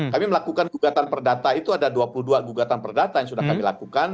kami melakukan gugatan perdata itu ada dua puluh dua gugatan perdata yang sudah kami lakukan